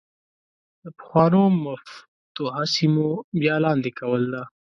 د پخوانو مفتوحه سیمو بیا لاندې کول ده.